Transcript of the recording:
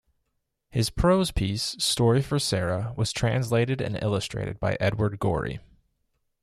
His prose piece "Story for Sara" was translated and illustrated by Edward Gorey.